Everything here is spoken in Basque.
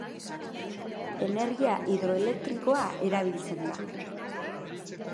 Energia hidroelektrikoa erabiltzen da.